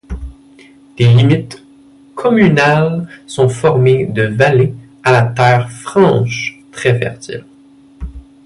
Les limites communales sont formées de vallées à la terre franche très fertile.